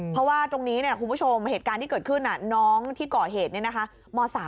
เพราะว่าตรงนี้เนี่ยคุณผู้ชมเหตุการณ์ที่เกิดขึ้นน้องที่เกาะเหตุเนี่ยนะคะ